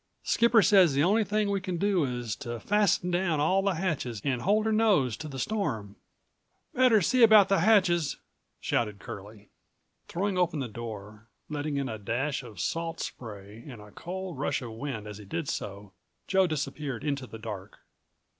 Skipper says the only thing we can do is to fasten down all the hatches and hold her nose to the storm."187 "Better see about the hatches," shouted Curlie. Throwing open the door, letting in a dash of salt spray and a cold rush of wind as he did so, Joe disappeared into the dark.